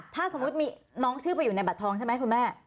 ถ้าสมมุติมีน้องชื่อไปอยู่ในบัตรทองใช่ไหมคุณแม่